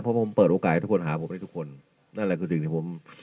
เพราะผมเปิดโอกาสให้ทุกคนหาผมได้ทุกคนนั่นแหละคือสิ่งที่ผม